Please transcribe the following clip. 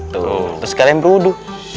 terus kalian berwudu